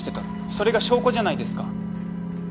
それが証拠じゃないですか。